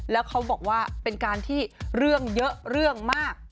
แล้วเขาบอกว่าเป็นการที่เรื่องเยอะเรื่องมาก